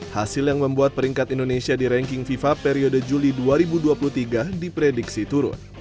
hasil yang membuat peringkat indonesia di ranking fifa periode juli dua ribu dua puluh tiga diprediksi turun